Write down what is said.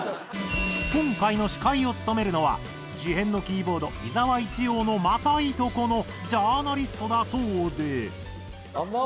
今回の司会を務めるのは事変のキーボード伊澤一葉の又従兄弟のジャーナリストだそうで。